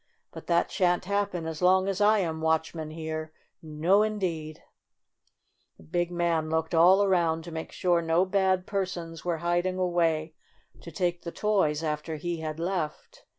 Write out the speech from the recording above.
But that shan't happen as long as I am watch man here ! No, indeed !" The big man looked all around to make sure no bad persons were hiding away to take the toys after he had left.